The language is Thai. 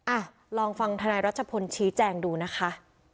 อ่ะลองฟังธนายรัชพลชี้แจงดูนะคะ